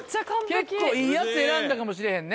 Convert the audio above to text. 結構いいやつ選んだかもしれへん。